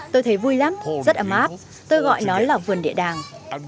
tôi thấy vui lắm rất ấm áp tôi gọi nó là vườn địa đàng